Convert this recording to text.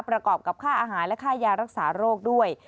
ประกอบกับค่าอาหารและค่ายารักษาโรคด้วย